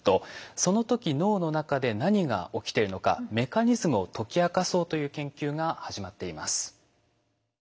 その時脳の中で何が起きてるのかメカニズムを解き明かそうという研究が始まっています。